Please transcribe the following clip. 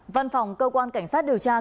văn phòng cơ quan cảnh sát điều truy nã